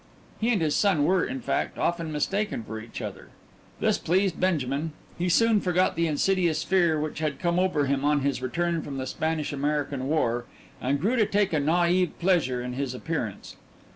He and his son were, in fact, often mistaken for each other. This pleased Benjamin he soon forgot the insidious fear which had come over him on his return from the Spanish American War, and grew to take a naïve pleasure in his appearance.